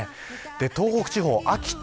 東北地方、秋田